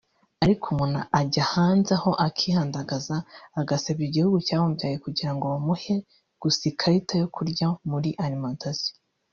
“ariko umuntu ajya hanze aho akihandagaza agasebya igihugu cyamubyaye kugirango bamuhe gusa ikarita yo kurya muri alimentation